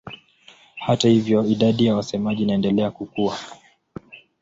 Hata hivyo idadi ya wasemaji inaendelea kukua.